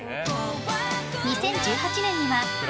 ２０１８年には。